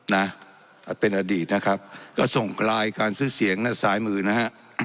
นะเป็นอดีตนะครับก็ส่งกลายการซื้อเสียงในสายมือนะฮะ